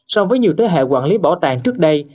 so với nhiều thế hệ quản lý bảo tàng trước đây